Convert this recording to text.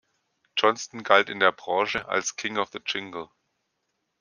Johnston galt in der Branche als "King of the Jingle".